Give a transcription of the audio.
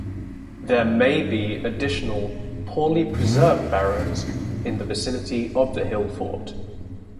There may be additional poorly preserved barrows in the vicinity of the hill fort.